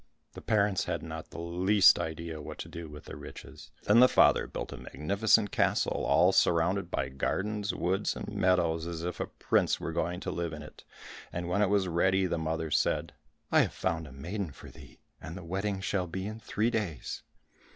The parents had not the least idea what to do with the riches. Then the father built a magnificent castle all surrounded by gardens, woods, and meadows as if a prince were going to live in it, and when it was ready, the mother said, "I have found a maiden for thee, and the wedding shall be in three days.